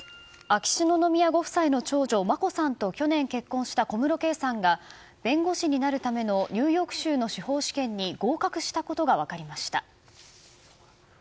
秋篠宮ご夫妻の長女・眞子さんと去年結婚した小室圭さんが弁護士になるためのニューヨーク州の司法試験に合格したことが分かりました。